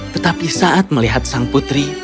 tetapi saat melihat sang putri